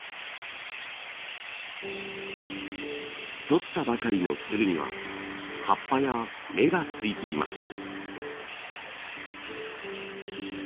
採ったばかりのつるには葉っぱや芽がついています。